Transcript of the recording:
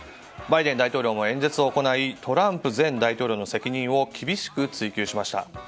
バイデン大統領も演説を行いトランプ前大統領の責任を厳しく追及しました。